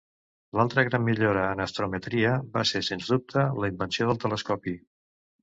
L'altra gran millora en astrometria va ser sens dubte la invenció del telescopi.